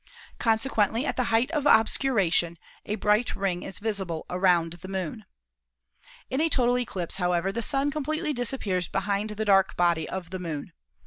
Consequently at the height of obscuration a bright ring is visible around the Moon. In a total eclipse, however, the Sun completely disappears behind the dark body of the Moon.